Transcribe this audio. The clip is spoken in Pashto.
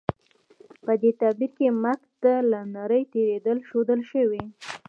په دې تعبیر کې مرګ ته له نړۍ تېرېدل ښودل شوي.